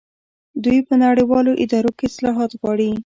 دوی په نړیوالو ادارو کې اصلاحات غواړي.